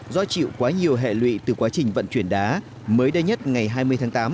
do chịu quá nhiều hệ lụy từ quá trình vận chuyển đá mới đây nhất ngày hai mươi tháng tám